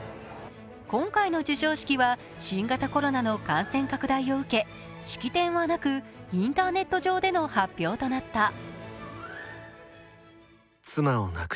今回の授賞式は、新型コロナの感染拡大を受け式典はなく、インターネット上での発表となった。